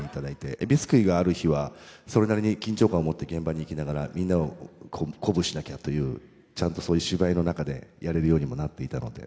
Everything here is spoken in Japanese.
えびすくいがある日はそれなりに緊張感を持って現場に行きながらみんなを鼓舞しなきゃというちゃんとそういう芝居の中でやれるようにもなっていたので。